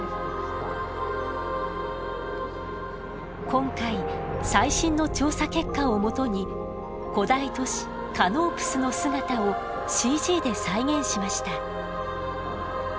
今回最新の調査結果を基に古代都市カノープスの姿をＣＧで再現しました。